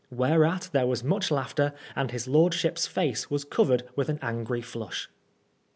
Whereat there was much laughter, and his lordship's face was covered with an angry flush.